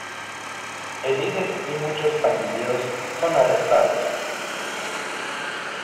El líder y muchos pandilleros son arrestados.